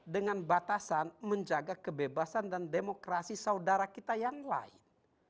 dengan batasan menjaga kebebasan dan demokrasi saudara kita yang lain